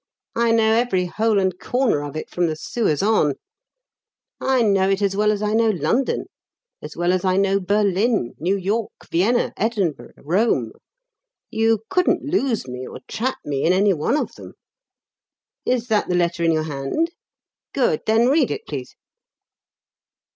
I know every hole and corner of it, from the sewers on. I know it as well as I know London, as well as I know Berlin New York Vienna Edinburgh Rome. You couldn't lose me or trap me in any one of them. Is that the letter in your hand? Good then read it, please."